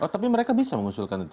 tapi mereka bisa mengusulkan itu